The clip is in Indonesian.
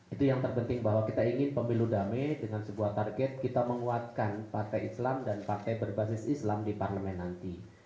itu yang terpenting bahwa kita ingin pemilu damai dengan sebuah target kita menguatkan partai islam dan partai berbasis islam di parlemen nanti